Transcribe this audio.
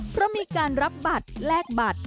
เพราะมีการรับบัตรแลกบัตร